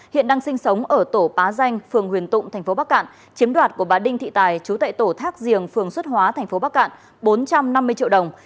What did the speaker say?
hiện đang sinh sống ở tổ pá danh phường huyền tụng tp bắc cạn chiếm đoạt của bà đinh thị tài trú tại tổ thác diềng phường xuất hóa tp bắc cạn bốn trăm năm mươi triệu đồng